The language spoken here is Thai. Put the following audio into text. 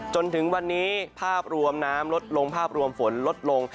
จนถึงวันนี้ภาพรวมน้ำลดลงภาพรวมฝนลดลง